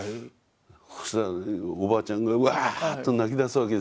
そしたらおばあちゃんがワーッと泣きだすわけですよ。